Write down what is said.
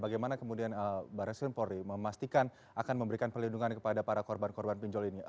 bagaimana kemudian baris krimpori memastikan akan memberikan pelindungan kepada para korban korban pinjol ini